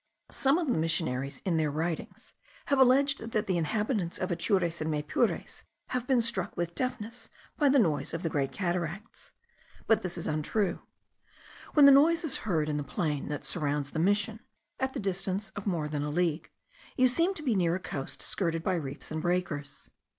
Some of the Missionaries in their writings have alleged that the inhabitants of Atures and Maypures have been struck with deafness by the noise of the Great Cataracts, but this is untrue. When the noise is heard in the plain that surrounds the mission, at the distance of more than a league, you seem to be near a coast skirted by reefs and breakers.